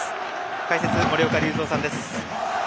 解説、森岡隆三さんです。